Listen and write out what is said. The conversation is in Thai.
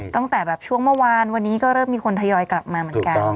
ตั้งแต่แบบช่วงเมื่อวานวันนี้ก็เริ่มมีคนทยอยกลับมาเหมือนกัน